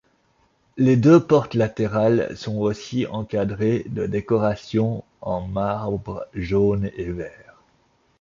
Les deux portes latérales sont aussi encadrées de décorations en marbre jaune et vert.